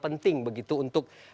penting begitu untuk